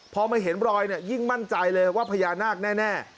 พอมาเห็นรอยเนี่ยยิ่งมั่นใจเลยว่าพญานาคแน่